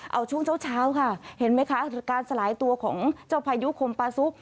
เอาช่วงเช้าค่ะเห็นไหมคะการสลายตัวของเจ้าพายุคมปาซุ